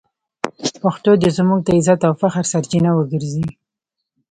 پښتو دې زموږ د عزت او فخر سرچینه وګرځي.